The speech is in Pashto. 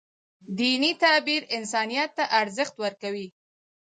دیني تعبیر انسانیت ته ارزښت ورکوي.